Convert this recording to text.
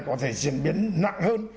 có thể diễn biến nặng hơn